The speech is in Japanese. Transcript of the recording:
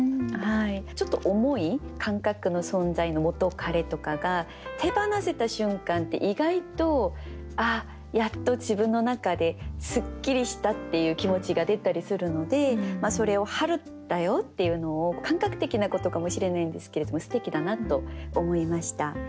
ちょっと重い感覚の存在の元カレとかが手放せた瞬間って意外とああやっと自分の中ですっきりしたっていう気持ちが出たりするのでそれを「春だよ」っていうのを感覚的なことかもしれないんですけれどもすてきだなと思いました。